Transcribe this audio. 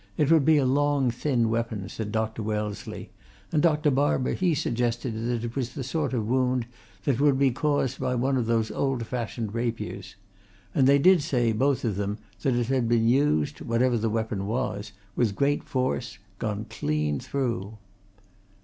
It would be a long, thin weapon, said Dr. Wellesley; and Dr. Barber, he suggested that it was the sort of wound that would be caused by one of those old fashioned rapiers. And they did say, both of them, that it had been used whatever the weapon was with great force: gone clean through."